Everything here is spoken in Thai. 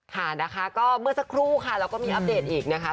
ค่ะนะคะก็เมื่อสักครู่ค่ะเราก็มีอัปเดตอีกนะคะ